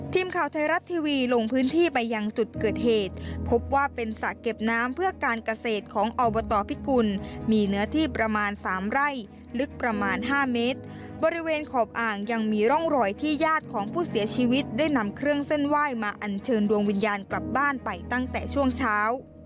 ทีมข่าวไทยรัฐทีวีลงพื้นที่ไปยังจุดเกิดเหตุพบว่าเป็นสระเก็บน้ำเพื่อการเกษตรของอบตพิกุลมีเนื้อที่ประมาณสามไร่ลึกประมาณห้าเมตรบริเวณขอบอ่างยังมีร่องรอยที่ญาติของผู้เสียชีวิตได้นำเครื่องเส้นไหว้มาอัญเชิญดวงวิญญาณกลับบ้านไปตั้งแต่ช่วงเช้า